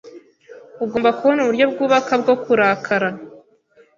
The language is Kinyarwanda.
Ugomba kubona uburyo bwubaka bwo kurakara.